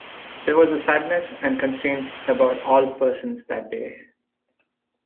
There was a sadness and constraint about all persons that day.